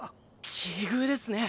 奇遇ですね